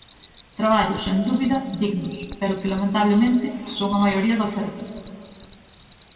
Traballos, sen dúbida, dignos, pero que, lamentablemente, son a maioría da oferta.